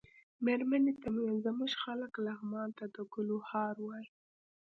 مېرمنې ته مې ویل زموږ خلک لغمان ته د ګلو هار وايي.